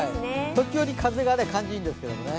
時折、風が感じいいんですけどね